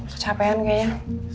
gak ada yang ngejep